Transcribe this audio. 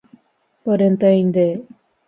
バレンタインデー